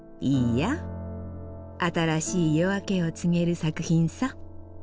いいや新しい夜明けを告げる作品さ。